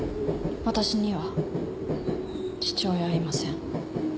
私には父親はいません。